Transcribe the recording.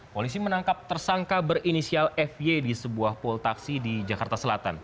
polisi menangkap tersangka berinisial f y di sebuah pool taksi di jakarta selatan